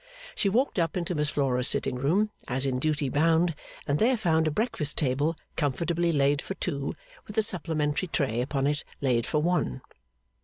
She walked up into Miss Flora's sitting room, as in duty bound, and there found a breakfast table comfortably laid for two, with a supplementary tray upon it laid for one.